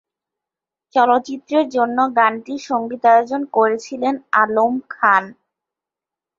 চলচ্চিত্রের জন্য গানটির সঙ্গীতায়োজন করেছিলেন আলম খান।